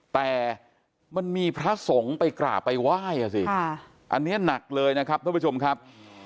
แต่มันมีพระสงฆ์ไปกราบไปไหว้อ่ะสิอันนี้หนักเลยนะครับท่านผู้ชมครับ